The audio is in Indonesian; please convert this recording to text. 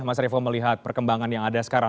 mas revo melihat perkembangan yang ada sekarang